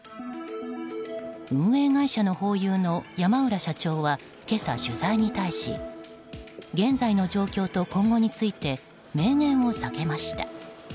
運営会社のホーユーの山浦社長は今朝、取材に対し現在の状況と今後について明言を避けました。